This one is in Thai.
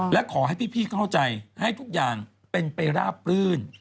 และขอให้พี่เข้าใจให้ทุกอย่างเป็นไปราบรื่น